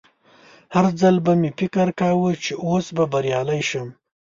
هر ځل به مې فکر کاوه چې اوس به بریالی شم